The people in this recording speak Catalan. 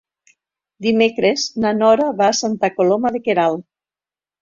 Dimecres na Nora va a Santa Coloma de Queralt.